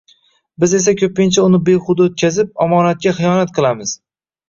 Biz esa ko’pincha, uni behuda o’tkazib, omonatga xiyonat qilamiz.